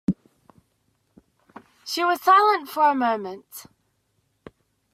She was silent for a moment.